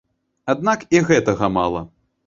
Аднак і гэтага мала.